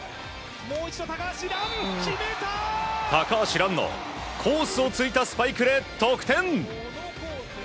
高橋藍のコースをついたスパイクで得点！